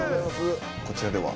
こちらでは？